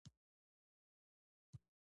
څو ورځې مخکې موږ انټرنېټ ته لاسرسی نه درلود.